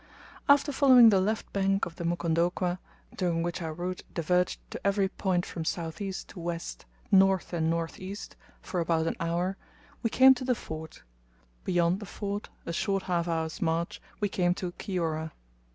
After following the left bank of the Mukondokwa, during which our route diverged to every point from south east to west, north and northeast, for about an hour, we came to the ford. Beyond the ford, a short half hour's march, we came to Kiora.